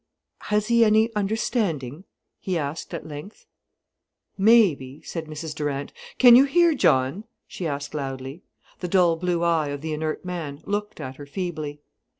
"Has he any understanding?" he asked at length. "Maybe," said Mrs Durant. "Can you hear, John?" she asked loudly. The dull blue eye of the inert man looked at her feebly.